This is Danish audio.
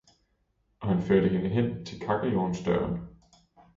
Og han førte hende hen til kakkelovnsdøren.